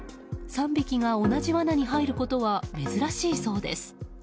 ３匹が同じわなに入ることは珍しいそうです。